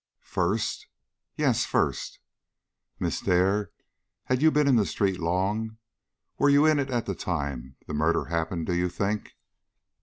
"First?" "Yes, first." "Miss Dare, had you been in the street long? Were you in it at the time the murder happened, do you think?"